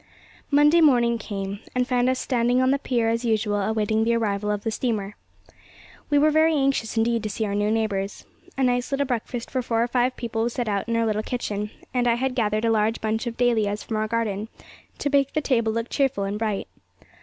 Monday morning came, and found us standing on the pier as usual awaiting the arrival of the steamer. We were very anxious indeed to see our new neighbours. A nice little breakfast for four or five people was set out in our little kitchen, and I had gathered a large bunch of dahlias from our garden, to make the table look cheerful and bright.